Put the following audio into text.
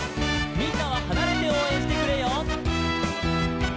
「みんなははなれておうえんしてくれよ」